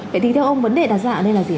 vậy thì theo ông vấn đề đặt ra ở đây là gì